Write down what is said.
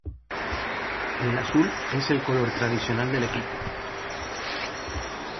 El azul es el color tradicional del equipo.